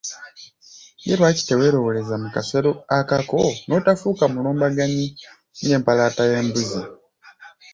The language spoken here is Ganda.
Ye lwaki teweeroboleza mu kasero akako n'otafuuka mulumbanganyi ng'empalaata y'embuzi?